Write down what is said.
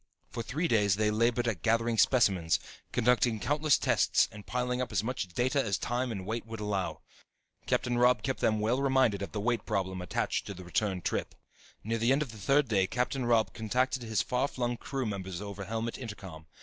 For three days they labored at gathering specimens, conducting countless tests and piling up as much data as time and weight would allow. Captain Robb kept them well reminded of the weight problem attached to the return trip. Near the end of the third day Captain Robb contacted his far flung crew members over helmet intercom.